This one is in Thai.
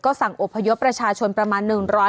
ก็สั่งอบพยพประชาชนประมาณ